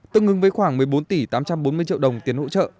tương ứng với khoảng một mươi bốn tỷ tám trăm bốn mươi triệu đồng tiền hỗ trợ